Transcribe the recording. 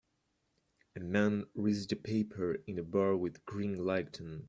A man reads the paper in a bar with green lighting.